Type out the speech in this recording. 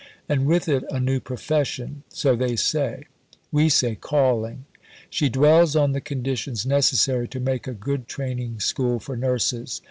And with it a new profession so they say; we say, calling." She dwells on the conditions necessary to make a good training school for nurses.